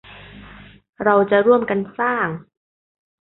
เราจะร่วมกันสร้าง